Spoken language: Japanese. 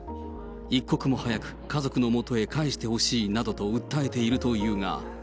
一刻も早く家族のもとへ帰してほしいなどと訴えているというが。